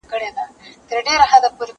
زه انځورونه نه رسم کوم؟